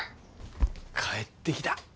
帰ってきた。